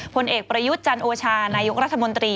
ผลเอกประยุทธ์จันโอชานายกรัฐมนตรี